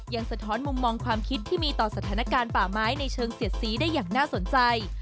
สะท้อนมุมมองความคิดที่มีต่อสถานการณ์ป่าไม้ในเชิงเสียดสีได้อย่างน่าสนใจ